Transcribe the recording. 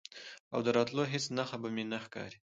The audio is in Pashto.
او د راتلو هیڅ نښه به مې نه ښکاري،